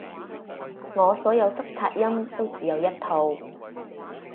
我所有塞擦音都只有一套